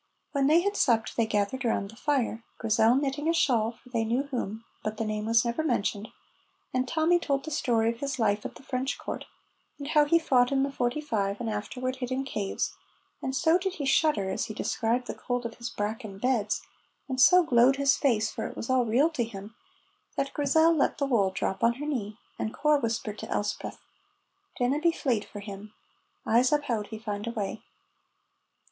When they had supped they gathered round the fire, Grizel knitting a shawl for they knew whom, but the name was never mentioned, and Tommy told the story of his life at the French court, and how he fought in the '45 and afterward hid in caves, and so did he shudder, as he described the cold of his bracken beds, and so glowed his face, for it was all real to him, that Grizel let the wool drop on her knee, and Corp whispered to Elspeth, "Dinna be fleid for him; I'se uphaud he found a wy."